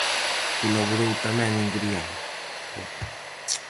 Colaborou tamén en "Grial".